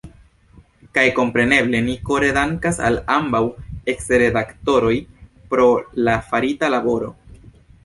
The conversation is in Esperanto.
Kaj, kompreneble, ni kore dankas al ambaŭ eksredaktoroj pro la farita laboro.